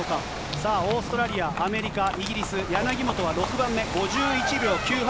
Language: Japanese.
さあ、オーストラリア、アメリカ、イギリス、柳本は６番目、５１秒９８。